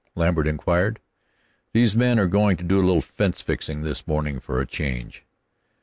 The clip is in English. Lambert inquired. "These men are going to do a little fence fixin' this morning for a change."